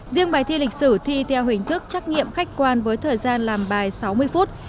riêng bài thi lịch sử thi theo hình thức trắc nghiệm khách quan với thời gian làm bài sáu mươi phút